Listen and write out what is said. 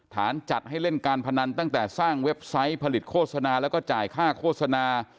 จัดให้เล่นการพนันตั้งแต่สร้างเว็บไซต์ผลิตโฆษณาแล้วก็จ่ายค่าโฆษณา